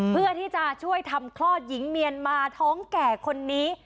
เพื่อที่จะช่วยทำคลอดหญิงเมียนมาท้องแก่คนนี้